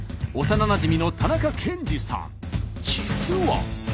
実は。